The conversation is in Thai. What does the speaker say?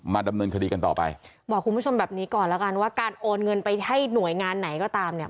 ดำเนินคดีกันต่อไปบอกคุณผู้ชมแบบนี้ก่อนแล้วกันว่าการโอนเงินไปให้หน่วยงานไหนก็ตามเนี่ย